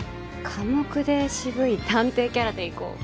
寡黙で渋い探偵キャラでいこう。